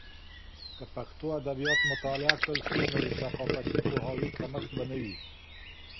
که پښتو ادبیات مطالعه کړل سي، نو د ثقافتي پوهاوي کمښت به نه وي.